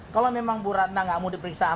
kalau memang bu ratna gak mau dipertimbangkan